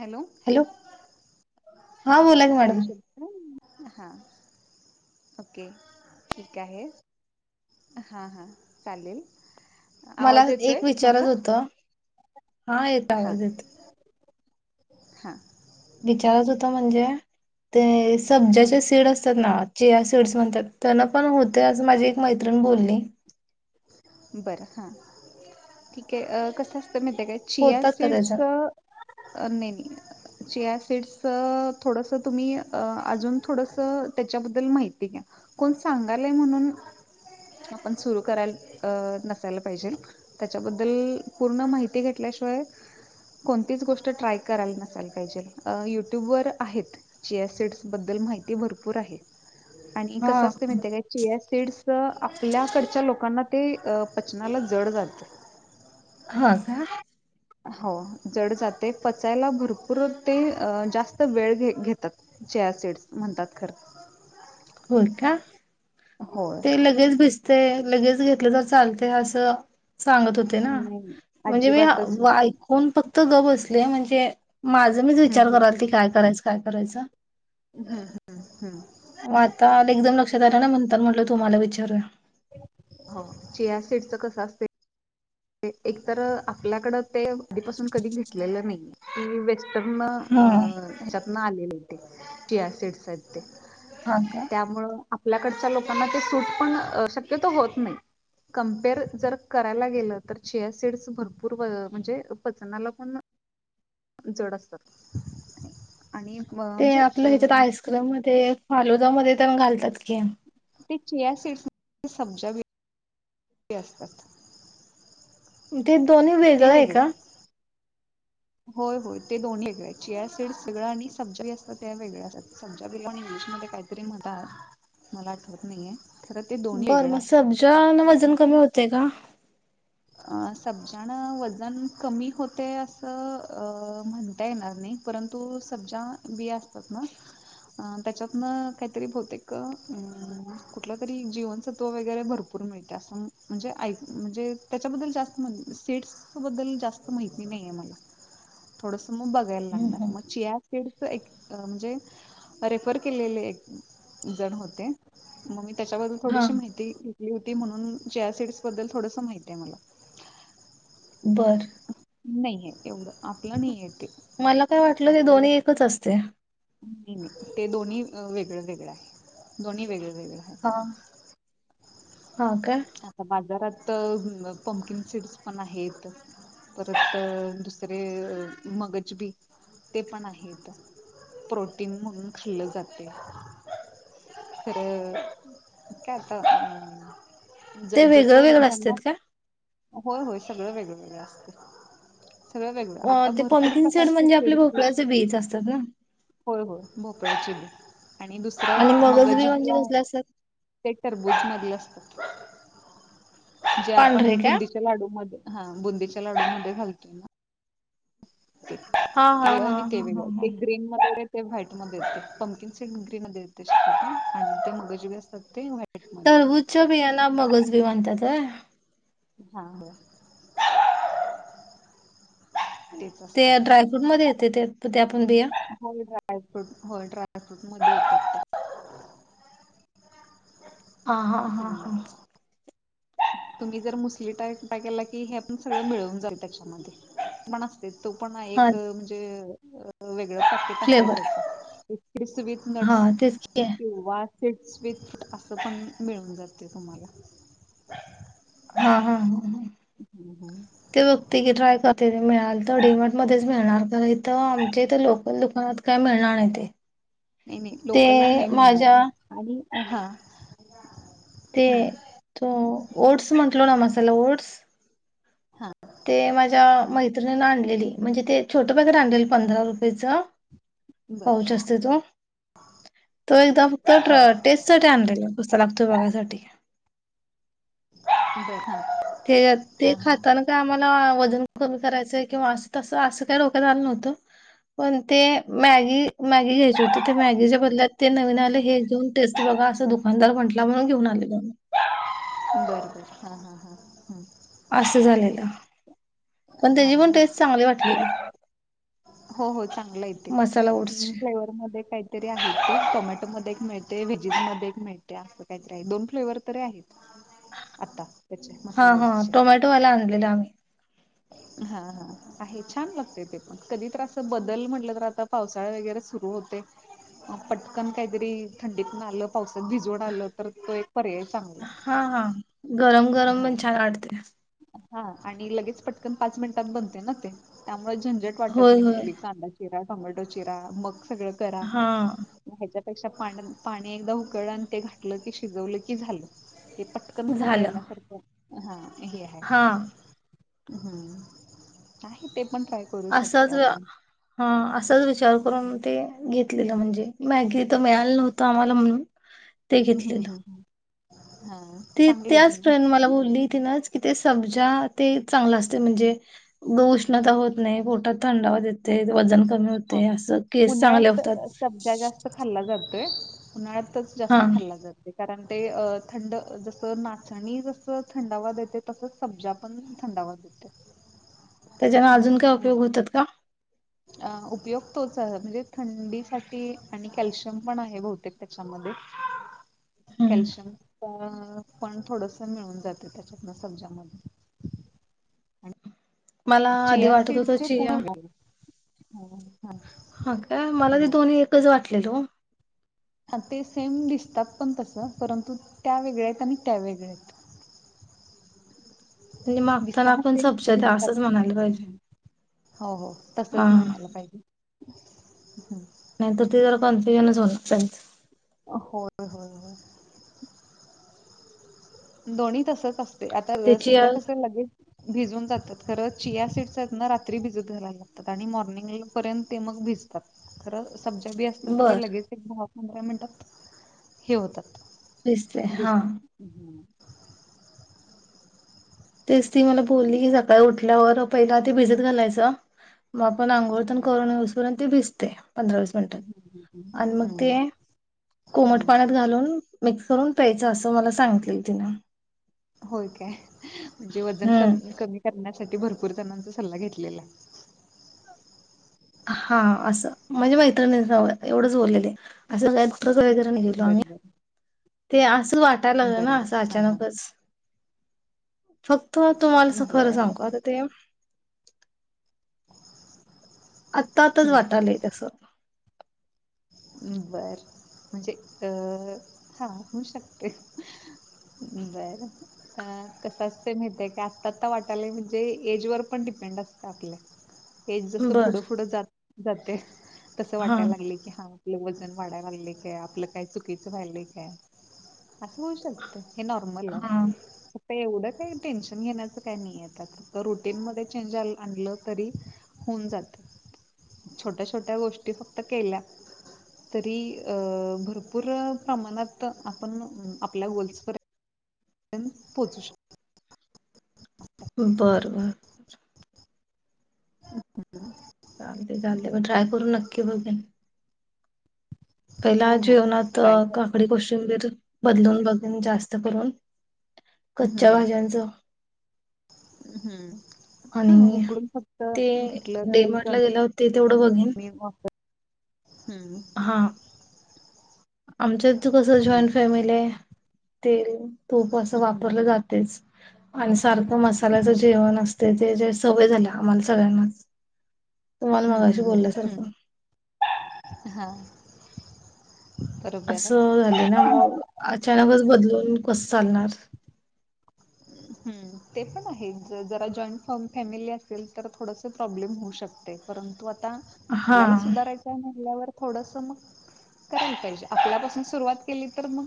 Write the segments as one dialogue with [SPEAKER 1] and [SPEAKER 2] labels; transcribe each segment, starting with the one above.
[SPEAKER 1] Hello हा
[SPEAKER 2] बोला की मॅडम
[SPEAKER 1] ब हां ओके ठीक आहे हां हां चालेल
[SPEAKER 2] मला
[SPEAKER 1] आवाज येतोय
[SPEAKER 2] एक
[SPEAKER 1] माझा
[SPEAKER 2] विचारच होत हा येत आवाज येत
[SPEAKER 1] हा
[SPEAKER 2] विचारत होत म्हणजे ते
[SPEAKER 1] हं,
[SPEAKER 2] सब्ज्याचे सीड असतात ना ज सीड्स म्हणतात त्यान पण होते असं माझी एक मैत्रिण बोलली
[SPEAKER 1] बरं हा ठीक आहे कसं ते म्हणता काय चिया
[SPEAKER 2] होतात का
[SPEAKER 1] सिड
[SPEAKER 2] त्याच्या
[SPEAKER 1] च नाहि चिया सीटस थोडंसं तुम्ही अजून थोडंसं त्याच्याबद्दल माहिती घ्या कोण सांगालय म्हणून आपण सुरू कराल नसायला पाहिजे त्याच्याबद्दल पूर्ण माहिती घेतल्याशिवाय कोणतीच गोष्ट ट्राय करायला नसायला पाहिजे यूट्यूबवर आहेत जि या सिड्सबद्दल माहिती भरपूर आहे आणि
[SPEAKER 2] हा
[SPEAKER 1] कसं असते म्हणते काय चेअ सीड्स आपल्याकडच्या लोकांना ते पचनाला जड जातं
[SPEAKER 2] ह का
[SPEAKER 1] हो जड जाते पचायला भरपूर ते जास्त वेळ घ घेतात चेसिडस म्हणतात खर
[SPEAKER 2] होर का ते लगेच भिसतय लगेच घेतलं तर चालते असं सांगत होते ना
[SPEAKER 1] नाही
[SPEAKER 2] म्हणजे
[SPEAKER 1] अजिबातच नाही
[SPEAKER 2] मीऐकून फक्त गबस त म्हणजे माझं मीच विचार
[SPEAKER 1] हम्म
[SPEAKER 2] कराल की काय करायचं काय करायचा
[SPEAKER 1] हम्म हम्म हम्म
[SPEAKER 2] म्हणात म्हट तुम्हाला विचारू
[SPEAKER 1] चेयार सीटच कसं असते एकत आपल्याकडं ते आधीपासून कधी घेतलेलं नाही की न
[SPEAKER 2] हा
[SPEAKER 1] अ शप्न आले क सिड सध
[SPEAKER 2] हा का
[SPEAKER 1] त्यामुळं आपल्याकडच्या लोकांना ते सूट पण शक्यत होत नाही कमपेअर जर करायला गेलं तर िया सीडस भरपूर म्हणजे पचनाला पण जोड असत
[SPEAKER 2] ते आपलं ह्याच्यात आईस्क्रीम मध्ये फालोदामध्ये तळून घालतात की?
[SPEAKER 1] ते चेयार सीट्समध्ये सम्जा असतात.
[SPEAKER 2] ते दोन्ही
[SPEAKER 1] ते
[SPEAKER 2] वेगळंय
[SPEAKER 1] वेगळं
[SPEAKER 2] का?
[SPEAKER 1] होय होय ते दोन वेगळे चियार सीड सगळ आणि सब्जा असतात ते वेगळ्या असतात सब्जा बी ल इंग्लिशमध्येध्ये काहीतरी म्हणता मला आठवत नाहीये. खरं ते दोन्ही
[SPEAKER 2] बर
[SPEAKER 1] वेगळं
[SPEAKER 2] मग
[SPEAKER 1] आहे.
[SPEAKER 2] सब्ज वजन कमी होते का?
[SPEAKER 1] सब्जाण वजन कमी होते असं अ--म्हणता येणार नाही, परंतु सब्जा बिया असतात ना त्याच्यातन काहीतरी बहतेक अं कुठलं तरी जीवनसत्त्व वगैरे भरपूर मिळते असं म्हणजे म्हणजे त्याच्याबद्दल जास्त सेट्स बद्दल जास्त माहिती नाही आहे मला थोडस मग बघायला
[SPEAKER 2] हम्म
[SPEAKER 1] लागणार
[SPEAKER 2] हम्म.
[SPEAKER 1] मग चिया. ड म्हणजे रेफर केलेले एक जण होते म त्याच्याबद्दल
[SPEAKER 2] हा
[SPEAKER 1] थोडीशी माहिती. होती म्हणून चिया सीडस बद्दल थोडसं माहिती. ते मला.
[SPEAKER 2] बरं.
[SPEAKER 1] नाही ह य येवढ. आपलं नाहीयेते.
[SPEAKER 2] मला काय वाटलं ते
[SPEAKER 1] आपल्याला
[SPEAKER 2] दोन्ही एकच असते
[SPEAKER 1] नाही नाही ते दोन्ही वेगळं वेगळं आहे. दोन्ही वेगळं वेगळं आहे
[SPEAKER 2] हा हा का?
[SPEAKER 1] आता बाजारात तर पंकिंग सीड्स पण आहेत. परत दुसरे मगज बी ते पण आहेत प्रोटीन म्हणून खाल्लं जाते तरं काय आता. ज
[SPEAKER 2] ते वेगळं
[SPEAKER 1] जसं
[SPEAKER 2] वेगळं
[SPEAKER 1] ज्यांना
[SPEAKER 2] असत्यात का?
[SPEAKER 1] होय होय सगळं वेगळवेगळे असते. सगळं वेगळं
[SPEAKER 2] अ,
[SPEAKER 1] आता
[SPEAKER 2] ते
[SPEAKER 1] भरपूर
[SPEAKER 2] पम्किन सीड
[SPEAKER 1] प्रकारचे
[SPEAKER 2] म्हणजे
[SPEAKER 1] सिड
[SPEAKER 2] आपले भोपळ्याचे बीज असतात ना
[SPEAKER 1] होय होय भोपळ्याचीिली. आणि
[SPEAKER 2] आणि
[SPEAKER 1] दुसरं मगज
[SPEAKER 2] म्हणजे
[SPEAKER 1] बी आहे.
[SPEAKER 2] कसले असतात
[SPEAKER 1] ते टरबूज मधलं असतं. जे
[SPEAKER 2] पांढरे
[SPEAKER 1] आपण
[SPEAKER 2] का
[SPEAKER 1] बुंदीच्या लाडू मध्ये बुंदी चे त्या लाडूमध्ये घालतोय ना.
[SPEAKER 2] हा हा
[SPEAKER 1] हे
[SPEAKER 2] हा
[SPEAKER 1] आणि ते
[SPEAKER 2] हा हा
[SPEAKER 1] वेगळ ते
[SPEAKER 2] हा
[SPEAKER 1] ग्रीन मध्येैरे ते व्हाईटध्ये येतात. पंकिन सीड ग्रीन मध्ये येते. ते मगजी बी असत ते व
[SPEAKER 2] टरबूज च च्या बीया. ना मगज भी म्हणतात व्हय?
[SPEAKER 1] हा हो. तेच
[SPEAKER 2] ते
[SPEAKER 1] असतात
[SPEAKER 2] ड्रायफ्रूट मध्ये येते ते ते त्यापण बिया?
[SPEAKER 1] होय ड्रायफ्रूट हो ड्रायफ्रूटमध्ये येतात.
[SPEAKER 2] ह हा हा
[SPEAKER 1] हम्म
[SPEAKER 2] हा.
[SPEAKER 1] तुम्ही जर मुसली टा टा केला की हे पण सगळं मिळून जाईल त्याच्यामध्ये पण ते तो पण
[SPEAKER 2] हा
[SPEAKER 1] एक म्हणजे अ व [inaudible] व क
[SPEAKER 2] फ्लेवर आहे.
[SPEAKER 1] कसलेचच [unintelligible] क्रिस्त विथ
[SPEAKER 2] हा
[SPEAKER 1] नट्स
[SPEAKER 2] तेच की
[SPEAKER 1] किंवा स स्वीट असं पण मिळून जाते तुम्हाला..
[SPEAKER 2] हा हा हा..
[SPEAKER 1] हम्म, हम्म.
[SPEAKER 2] ते बघते की ट्राय करते मिळाल तर डि-मॅट मध्येच मिळणार का तर आमचे तर लोक पण दुकानात काय मिळणार नाही ते
[SPEAKER 1] नाही नाही,
[SPEAKER 2] ते
[SPEAKER 1] लोकलला नाही
[SPEAKER 2] माझ्या
[SPEAKER 1] म्हणणार आणि ह हा
[SPEAKER 2] ते
[SPEAKER 1] हम्म
[SPEAKER 2] त ओट्स म्हग [unintelligible] केलाय ना मसाला ओट्स
[SPEAKER 1] हा..
[SPEAKER 2] ते माझ्या मैत्रिणीन आणलेली म्हणजे ते छोट बोर आणलेल पंधरा रुपयेचं
[SPEAKER 1] बर
[SPEAKER 2] पाउच असते त्याच तो तो एकदा ट्राय फक्त टेस्ट साठी आणलेला कसा लागतोय बघण्यासाठी
[SPEAKER 1] ते [unintelligible]
[SPEAKER 2] ते अ ते खातना काय आम्हाला आवडलेला कमी करायचंय किंवा अस तस असं काही रोकत आलं नव्हतं पण ते मॅगी मॅगी घ्यायची होती त्या मॅगीच्या बदल्यात ते नवीन आले हे घेऊन टेस्ट बघा असं दुकानदार म्हंटला म्हणून घेऊन आले मी
[SPEAKER 1] बर बर.. हा हा हा
[SPEAKER 2] असं झालेलं पण त्याची पण
[SPEAKER 1] हा
[SPEAKER 2] टेस्ट चांगली वाटलेली
[SPEAKER 1] हो हो चांगला येते
[SPEAKER 2] मसाला
[SPEAKER 1] तीन
[SPEAKER 2] ओट्सची.
[SPEAKER 1] फ्लेवर मध्ये काहीतरी आहे ते टोमॅटोमध्ये... मिळते व्हेजीज मध्ये मिळते असं काहीतरी आहे दोन फ्लेवर तरी आहेत आता त्याचे
[SPEAKER 2] हा
[SPEAKER 1] मसाला
[SPEAKER 2] हा
[SPEAKER 1] ओटचे
[SPEAKER 2] टोमॅटोवाला आणलेला आम्ही
[SPEAKER 1] हा हा आहे छान लागते ते पण कधी तर अस बदल म्हटलं तर आता पावसाळा वगैरे सुरू होते पटकन काहीतरी थंडीतन आलं पावसात भिजून आलं तर तो एक.. पर्याय चांगला आहे.
[SPEAKER 2] हा हा गरम गरम
[SPEAKER 1] हा
[SPEAKER 2] पण छान वाटते
[SPEAKER 1] हा आणि लगेच पटकन पाच मिनिटात बनते ना ते अ झंजट वाटत
[SPEAKER 2] होय
[SPEAKER 1] नाही
[SPEAKER 2] होय
[SPEAKER 1] कुठली कांदा चिरा टोमॅटो चिरा मग- सगळ करा...
[SPEAKER 2] हा
[SPEAKER 1] त्या पेक्षा पाणी, पाणी एकदा उकळल आणि ते घातलं की शिजवलं की झालं हे पटकन खाताय
[SPEAKER 2] झालं.
[SPEAKER 1] ना सारख हा हे आहे
[SPEAKER 2] हा
[SPEAKER 1] हम्म नाही ते पण ट्राय करू शकते
[SPEAKER 2] असाच
[SPEAKER 1] आपण.
[SPEAKER 2] [unintelligible] हा असाच विचार करून ते घेतलेलं म्हणजे मॅगी तर मिळालं नव्हत आम्हाला म्हणून ते
[SPEAKER 1] हम् हम्म
[SPEAKER 2] घेतलेलं.
[SPEAKER 1] हम्म हम्म हा
[SPEAKER 2] ती
[SPEAKER 1] चांगलं आहे की
[SPEAKER 2] त्याच फ्रेंड
[SPEAKER 1] मग
[SPEAKER 2] मला बोलली तिनंच किथे सब्जा ते चांगलं असते म्हणजे उष्णता होत
[SPEAKER 1] हा
[SPEAKER 2] नाही पोटात थंडावा
[SPEAKER 1] हा
[SPEAKER 2] देते वजन कमी
[SPEAKER 1] हा
[SPEAKER 2] होते असं केस चांगले होतात
[SPEAKER 1] पुणार [unintelligible]
[SPEAKER 2] हा
[SPEAKER 1] जास्त खाल्ला जात कारण ते थंड जस नाचणी जस थंडावा द येते तसच सब्जा पण थंडावा देते
[SPEAKER 2] त्याच्यान अजून काय उपयोग
[SPEAKER 1] म्हणून
[SPEAKER 2] होतात का
[SPEAKER 1] अ उपयोग तोच आहे म्हणजे थंडीसाठी आणि कॅल्शियम पण आहे बहुतेक त्याच्यामध्ये
[SPEAKER 2] हम्म
[SPEAKER 1] कॅल्शियम प पण थोडस मिळून जाते त्याच्यातन समजा म
[SPEAKER 2] मला आधी वाटत होत
[SPEAKER 1] सीड्स हे
[SPEAKER 2] चिया
[SPEAKER 1] पूर्ण
[SPEAKER 2] हा काय मला ते
[SPEAKER 1] नाही
[SPEAKER 2] दोन्ही एकच वाट केलो
[SPEAKER 1] ते सेम दिसतात पण तसं परंतु त्या वेगळ्या आहेत आणि त्या वेगळ्यात [inaudible]
[SPEAKER 2] म्हणजे मागताना आपण सपजत [unintelligible] असंच म्हणायला पाहिजे
[SPEAKER 1] हो हो
[SPEAKER 2] हा
[SPEAKER 1] तसच म्हणायला पाहिजे हम
[SPEAKER 2] नाही तर त जरा कोणपणच होच
[SPEAKER 1] होय हो- दोन्ही तसच असत ते आता सम्जा कसयला लागेल भिजून जातात खरं चिया सीट ना रात्री भिजतयला लागतात आणि मॉर्निंग पर्यंत ते मग भिजतात खरं सब्जा बी असतात
[SPEAKER 2] बर
[SPEAKER 1] ते लगेच एक ब पंधरा मिनटात हे होतात
[SPEAKER 2] फस हा
[SPEAKER 1] भिजतात
[SPEAKER 2] [unintelligible]
[SPEAKER 1] हम्म
[SPEAKER 2] तेच ती मला बोलली की सकाळी उठल्यावर पहिला ते भिजत घालायचं मग आपण आंघोळतण करूनऊसपर्यंत ते दिसते पंधरा वीस मिनटात आणि मग ते
[SPEAKER 1] हम्म
[SPEAKER 2] कोमट
[SPEAKER 1] हम्म
[SPEAKER 2] पाण्यात घालून मिक्स करून प्यायचं अस तो मला सांगितली तिन
[SPEAKER 1] होय काय म्हणजे वजन कमी करण्यासाठी भरपूर पुुरतानाचा सल्ला घेतलेला
[SPEAKER 2] हा असं म्हणजे मैत्रिणी एवढंच बोललेले आहे असं का कसं वगैरे निघेलो
[SPEAKER 1] बर
[SPEAKER 2] आम्ही
[SPEAKER 1] बर
[SPEAKER 2] ते असं वाटायला लागलं
[SPEAKER 1] बर
[SPEAKER 2] ना
[SPEAKER 1] बर
[SPEAKER 2] असं
[SPEAKER 1] हा हा
[SPEAKER 2] अचानकच फक्त तुम्हाला अस खरं
[SPEAKER 1] बर
[SPEAKER 2] सांग का आता ते आता आताच
[SPEAKER 1] हम्म
[SPEAKER 2] वाटालंय तस
[SPEAKER 1] बर म्हणजे अ हा हो शकते बर कसच ते माहितय की आता आत्ता वाटालाय म्हणजे एज वर पण डिपेंड असत आपल्या हे जसं
[SPEAKER 2] बर
[SPEAKER 1] पुुढं फुढं जात जाते तसं
[SPEAKER 2] हा
[SPEAKER 1] वाटायला लागले की आपलं वजन वाढायला लागले काय? आपलं काय? चुकीचं व्हायलं काय? असं होऊ शकत [inaudible] हे नॉर्मल
[SPEAKER 2] हा
[SPEAKER 1] आहे एवढं काही टेन्शन घेण्याचं काही नाही आहे फक्त रुटीन मध्ये चेंज आणलं तरी होऊन जातं छोट्या छोट्या गोष्टी फक्त केल्या. तरी अ भरपूर प्रमाणात आपण आपल्या गोल्सवर [inaudible] पोहोचू शकतो
[SPEAKER 2] बर बर
[SPEAKER 1] अस का?
[SPEAKER 2] चालतय चालतय पण ट्राय करू नक्की बघेन पहिला
[SPEAKER 1] हो हो
[SPEAKER 2] जेवणात
[SPEAKER 1] ट्राय कर
[SPEAKER 2] काकडी कोशिंबीर बदलून बघून जास्त करून कच्च्या
[SPEAKER 1] हम्म
[SPEAKER 2] भाज्यांचं
[SPEAKER 1] हम्म हा
[SPEAKER 2] आणि
[SPEAKER 1] उकडून फक्त
[SPEAKER 2] ते
[SPEAKER 1] घेतलं तेल कमी
[SPEAKER 2] डेमार्टला गेल्यावर ते तेवढं बघेन
[SPEAKER 1] मी मग. [inaudible] हम्म
[SPEAKER 2] हा आमच्यात कसं
[SPEAKER 1] हम्म
[SPEAKER 2] जॉईंट फॅमिली आहे ते तूप अस
[SPEAKER 1] हम्म
[SPEAKER 2] वापरलं जातेच आणि सारखं मसाल्याचं
[SPEAKER 1] हम्म
[SPEAKER 2] जेवण असते ते जे सवय झाल्या आम्हाला सगळ्यांना. तुम्हाला
[SPEAKER 1] हम्म
[SPEAKER 2] मगाशी बोलल्यासारखं
[SPEAKER 1] हां
[SPEAKER 2] असं झाले ना मग अचानकच बदल न कस चालणार?
[SPEAKER 1] हम्म ते पण आहे. जरा जॉईंट फॅमिली असेल तर थोडस प्रॉब्लेम होऊ शकते परंतु
[SPEAKER 2] हा
[SPEAKER 1] आपल्याला सुधारायच आहे म्हटल्यावर थोडंसं मग करायला पाहिजे. आपल्यापासून सुरुवात केली तर मग,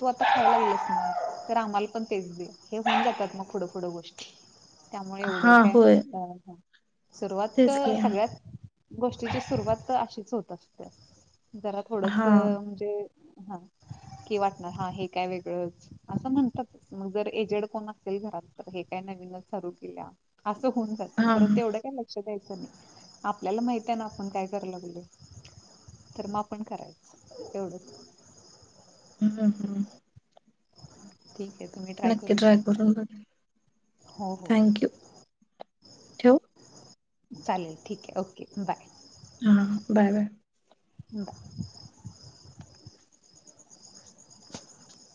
[SPEAKER 1] तू आता खायला ये तर आम्हाला पण तेच दे. हे होऊन जातात मग थोडं थोडं गोष्टी. त्यामुळे एवढं
[SPEAKER 2] हा
[SPEAKER 1] काय
[SPEAKER 2] होय
[SPEAKER 1] सुरुवात
[SPEAKER 2] तेच की हा
[SPEAKER 1] सगळ्यात गोष्टीची सुरुवात तर अशीच होत असते. जरा थोडस
[SPEAKER 2] हा
[SPEAKER 1] म्हणजे ह की वाटणार हा हे काय वेगळंच असं म्हणतात मग जर हेडफोन असेल घरात तर हे काय नवीनच चालू केल्या असं होऊन जातें
[SPEAKER 2] ह
[SPEAKER 1] परंतु एवढं काय लक्ष द्याचं नाही आपल्याला माहित आहे ना. आपण काय? कराव लागले? तर मग आपण करायचं एवढंच.
[SPEAKER 2] हम्म हम्म.
[SPEAKER 1] ठीक. आहे तुम्ही
[SPEAKER 2] नक्की
[SPEAKER 1] करू
[SPEAKER 2] ट्राय
[SPEAKER 1] शकता
[SPEAKER 2] करून बघ.
[SPEAKER 1] हो हो.
[SPEAKER 2] ठेवू
[SPEAKER 1] चालेल ठीक आहे ओके बाय.
[SPEAKER 2] हा बाय बाय.
[SPEAKER 1] बाय